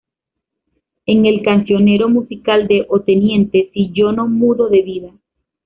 En el Cancionero musical de Onteniente: "Si yo no mudo de vida".